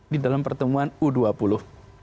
di dalam pertemuan u dua puluh